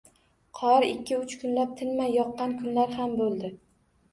Qor ikki-uch kunlab tinmay yoqqan kunlar ham bo`ldi